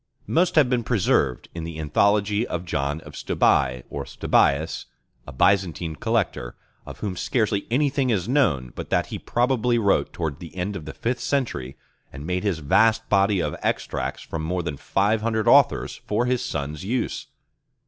Most have been preserved in the Anthology of John of Stobi (Stobæus), a Byzantine collector, of whom scarcely anything is known but that he probably wrote towards the end of the fifth century, and made his vast body of extracts from more than five hundred authors for his son's use.